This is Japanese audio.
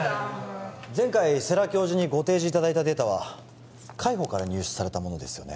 前回世良教授にご提示いただいたデータは海保から入手されたものですよね